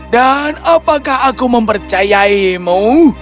dan apakah aku mempercayaimu